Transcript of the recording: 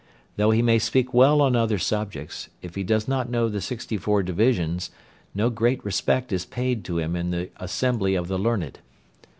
Though he may speak well on other subjects, if he does not know the sixty four divisions, no great respect is paid to him in the assembly of the learned.